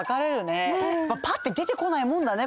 パッて出てこないもんだね